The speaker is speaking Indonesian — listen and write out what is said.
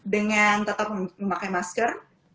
dengan tetap memakai masker